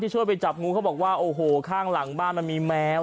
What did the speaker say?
ช่วยไปจับงูเขาบอกว่าโอ้โหข้างหลังบ้านมันมีแมว